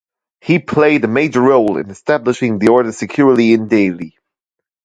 He played a major role in establishing the order securely in Delhi.